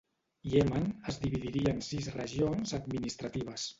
Iemen es dividiria en sis regions administratives.